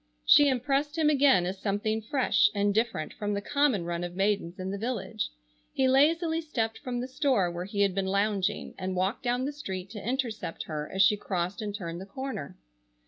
She impressed him again as something fresh and different from the common run of maidens in the village. He lazily stepped from the store where he had been lounging and walked down the street to intercept her as she crossed and turned the corner.